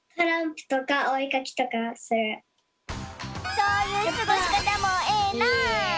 そういうすごしかたもええな！